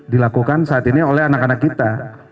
dilakukan saat ini oleh anak anak kita